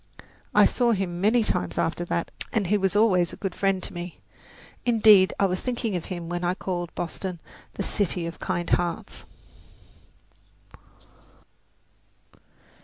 I saw him many times after that, and he was always a good friend to me; indeed, I was thinking of him when I called Boston "the City of Kind Hearts."